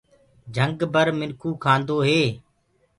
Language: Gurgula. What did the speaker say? جھنگ بر منکو کاندوئي